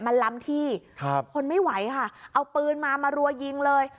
มันล้ำที่ครับทนไม่ไหวค่ะเอาปืนมามารัวยิงเลย